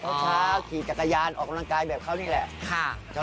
เช้าขี่จักรยานออกกำลังกายแบบเขานี่แหละ